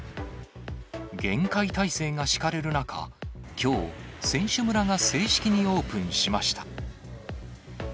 厳戒態勢が敷かれる中、きょう、選手村が正式にオープンしました。